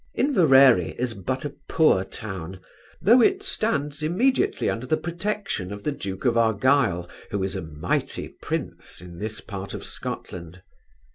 Inverary is but a poor town, though it stands immediately under the protection of the duke of Argyle, who is a mighty prince in this part of Scotland.